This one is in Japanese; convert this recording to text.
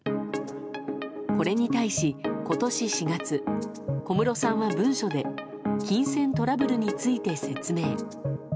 これに対し、今年４月小室さんは文書で金銭トラブルについて説明。